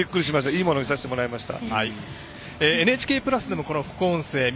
いいもの見させてもらいました。